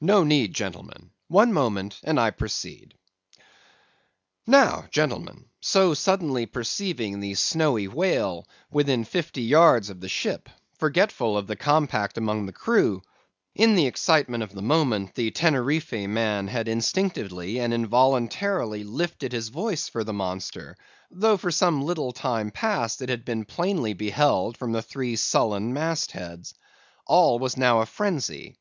"No need, gentlemen; one moment, and I proceed.—Now, gentlemen, so suddenly perceiving the snowy whale within fifty yards of the ship—forgetful of the compact among the crew—in the excitement of the moment, the Teneriffe man had instinctively and involuntarily lifted his voice for the monster, though for some little time past it had been plainly beheld from the three sullen mast heads. All was now a phrensy.